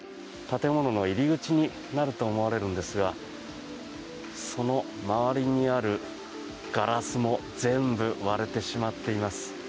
建物の入り口になると思われるんですがその周りにあるガラスも全部割れてしまっています。